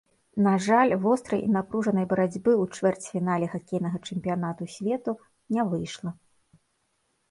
На жаль, вострай і напружанай барацьбы ў чвэрцьфінале хакейнага чэмпіянату свету не выйшла.